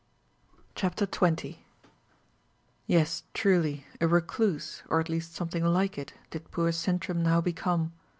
CHAPTER 20 Yes truly, a recluse, or at least something like it, did poor Sintram now become!